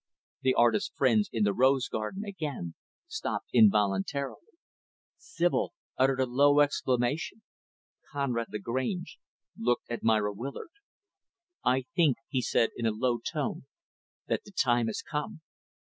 The artist's friends in the rose garden, again, stopped involuntarily. Sibyl uttered a low exclamation. Conrad Lagrange looked at Myra Willard. "I think," he said in a low tone, "that the time has come.